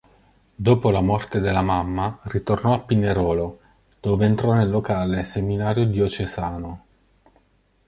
Dopo la morte della mamma ritornò a Pinerolo, dove entrò nel locale seminario diocesano.